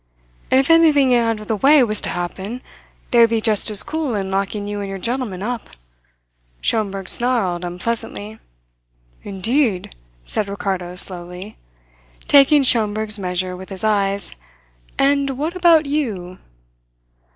"And if anything out of the way was to happen, they would be just as cool in locking you and your gentleman up," Schomberg snarled unpleasantly. "Indeed!" said Ricardo slowly, taking Schomberg's measure with his eyes. "And what about you?"